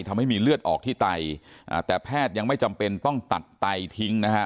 ทำให้มีเลือดออกที่ไตอ่าแต่แพทย์ยังไม่จำเป็นต้องตัดไตทิ้งนะฮะ